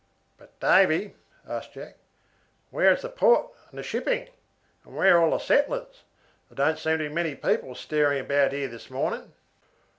"But, Davy," asked Jack, "where is the port and the shipping, and where are all the settlers? There don't seem to be many people stirring about here this morning."